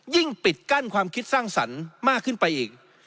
ปิดกั้นความคิดสร้างสรรค์มากขึ้นไปอีก